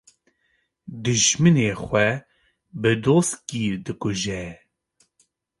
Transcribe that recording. Dijminê xwe bi doskî dikuje